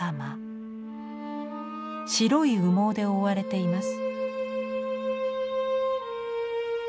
白い羽毛で覆われています。